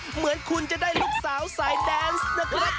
เหมือนคุณจะได้ลูกสาวสายแดนส์นะครับ